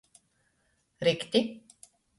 Rikti.